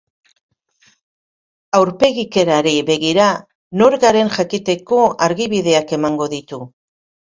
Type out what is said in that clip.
Aurpegikerari begira nor garen jakiteko argibideak emango ditu.